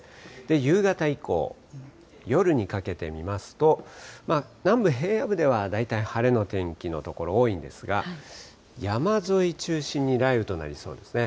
夕方以降、夜にかけて見ますと、南部平野部では大体晴れの天気の所、多いんですが、山沿い中心に雷雨となりそうですね。